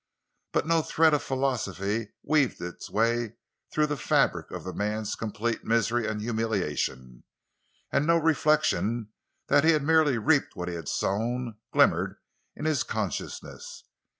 But no thread of philosophy weaved its way through the fabric of the man's complete misery and humiliation, and no reflection that he had merely reaped what he had sown glimmered in his consciousness.